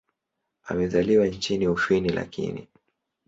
Amezaliwa nchini Ufini lakini.